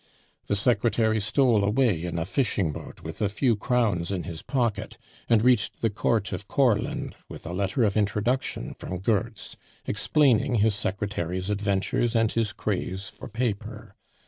The secretary stole away in a fishing boat with a few crowns in his pocket, and reached the court of Courland with a letter of introduction from Goertz, explaining his secretary's adventures and his craze for paper.